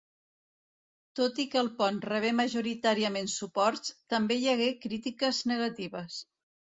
Tot i que el pont rebé majoritàriament suports, també hi hagué crítiques negatives.